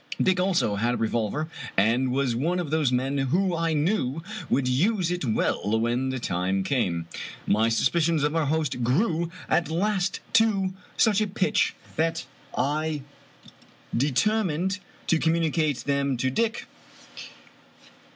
Dick also had a revol ver, and was one of those men who I knew would use it well when the time came. My suspicions of our host grew at last to such a pitch that I determined to communicate them to Dick.